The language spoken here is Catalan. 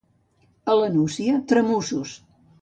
A la Nucia, tramussos.